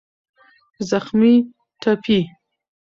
زخمي √ ټپي